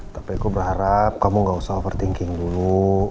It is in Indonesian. tapi aku berharap kamu gak usah overthinking dulu